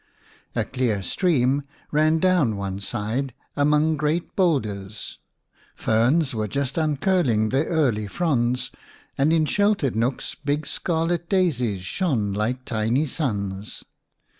A clear stream ran down one side among great boulders, ferns were just uncurling their early fronds, and in sheltered nooks big scarlet daisies shone like tiny suns.